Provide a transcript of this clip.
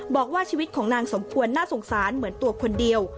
บอกว่าชีวิตของนางสมควรน่าสงสารเหมือนตัวคนเดียว